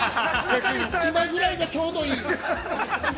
今ぐらいがちょうどいい。